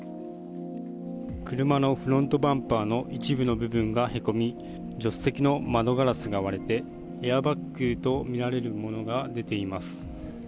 車のフロントバンパーの一部の部分がへこみ、助手席の窓ガラスが割れて、エアバッグと見られるものが出ています。